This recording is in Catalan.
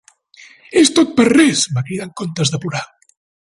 "És tot per res!" va cridar en comptes de plorar.